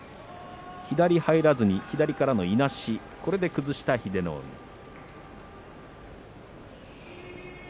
左、入らずに左からのいなしで崩した英乃海です。